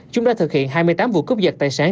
chúng đã thực hiện hai mươi tám vụ cướp giật tài sản